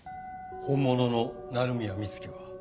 本物の鳴宮美月は？